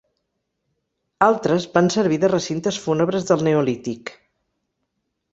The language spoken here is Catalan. Altres van servir de recintes fúnebres del neolític.